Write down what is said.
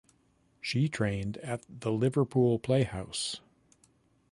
She trained at the Liverpool Playhouse.